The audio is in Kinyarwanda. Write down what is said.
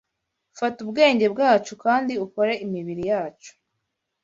Fata ubwenge bwacu kandi ukore imibiri yacu